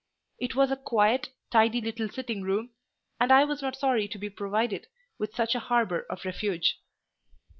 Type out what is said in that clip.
It was a quiet, tidy little sitting room; and I was not sorry to be provided with such a harbour of refuge.